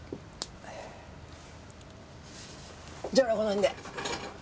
じゃあこのへんで。